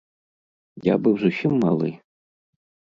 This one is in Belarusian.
Я быў зусім малы.